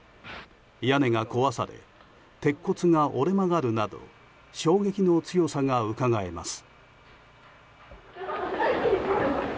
屋根が壊され鉄骨が折れ曲がるなど衝撃の強さがうかがえます。